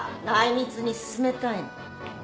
内密に進めたいの。